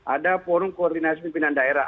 ada forum koordinasi pimpinan daerah